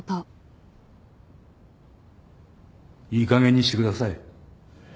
いいかげんにしてください。